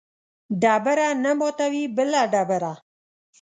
ډبره نه ماتوي بله ډبره